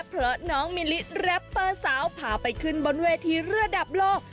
เผลอน้องมิลิรัปเปอร์สาวพาไปขึ้นบนเวทีเรือดับโลก